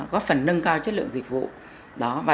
góp phần nâng cao chất lượng dịch vụ